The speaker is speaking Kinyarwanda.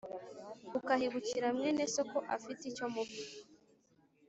ukahibukira mwene so ko afite icyo mupfa